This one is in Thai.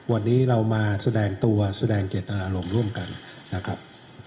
วันนี้เรามาแสดงตัวแสดงเจตนารมณ์ร่วมกันนะครับ